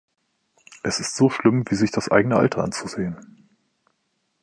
Es ist so schlimm, wie sich das eigene Alter anzusehen.